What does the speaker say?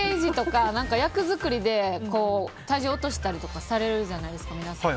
役作りで体重を落としたりとかされるじゃないですか、皆さん。